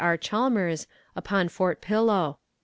R. Chalmers, upon Fort Pillow.